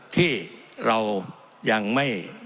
ที่เรายังไม่